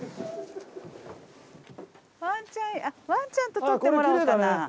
ワンちゃんあっワンちゃんと撮ってもらおうかな。